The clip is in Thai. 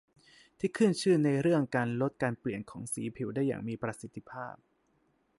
ที่ขึ้นชื่อในเรื่องลดการเปลี่ยนของสีผิวได้อย่างมีประสิทธิภาพ